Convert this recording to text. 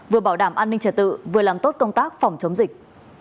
vừa bảo đảm an ninh trật tự vừa làm tốt công tác phòng chống dịch